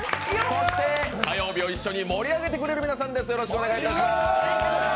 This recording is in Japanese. そして火曜日を一緒に盛り上げてくださる皆さんです。